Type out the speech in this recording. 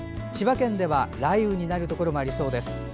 千葉県では雷雨になるところもありそうです。